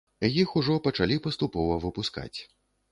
Іх ужо пачалі паступова выпускаць.